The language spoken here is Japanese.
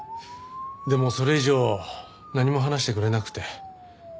でもそれ以上何も話してくれなくて。